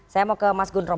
saya mau ke mas gundrom